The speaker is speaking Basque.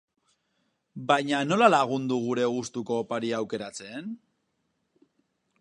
Baina nola lagundu gure gustuko oparia aukeratzen?